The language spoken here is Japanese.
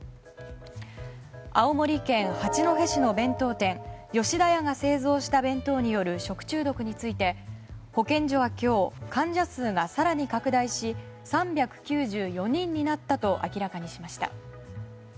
青森県八戸市の弁当店吉田屋が製造した弁当による食中毒について、保健所は今日患者数が更に拡大し３９４人になったと明らかにしました。